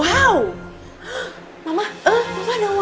mama mama ada uangnya